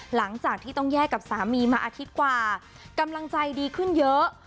หลังจากที่ต้องแยกกับสามีมาอาทิตย์กว่ากำลังใจดีขึ้นเยอะ